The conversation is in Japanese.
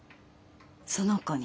その子に。